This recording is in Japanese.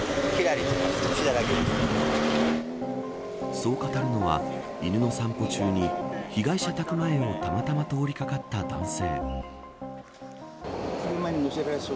そう語るのは、犬の散歩中に被害者宅前をたまたま通りかかった男性。